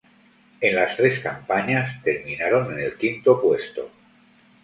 En las tres campañas, terminaron en el quinto puesto.